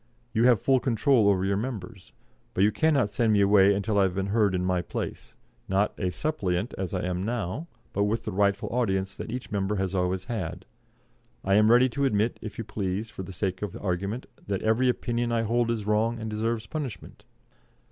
You have full control over your members. But you cannot send me away until I have been heard in my place, not a suppliant as I am now, but with the rightful audience that each member has always had.... I am ready to admit, if you please, for the sake of argument, that every opinion I hold is wrong and deserves punishment.